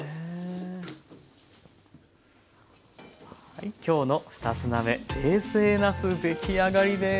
はいきょうの２品目「冷製なす」出来上がりです。